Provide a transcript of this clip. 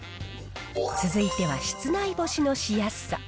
続いては室内干しのしやすさ。